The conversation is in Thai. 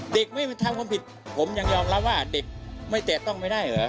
เด็กไม่ทำความผิดผมยังยอมรับว่าเด็กไม่แตะต้องไม่ได้เหรอ